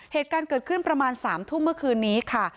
เหตุการณ์เกิดขึ้นประมาณ๓ทุ่มเมื่อคืนนี้ค่ะ